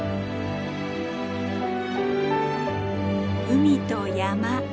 海と山。